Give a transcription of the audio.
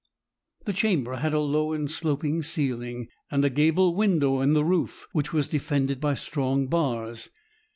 The chamber had a low and sloping ceiling, and a gable window in the roof, which was defended by strong bars.